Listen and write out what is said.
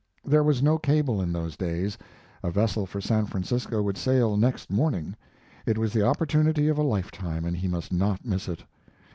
There was no cable in those days; a vessel for San Francisco would sail next morning. It was the opportunity of a lifetime, and he must not miss it.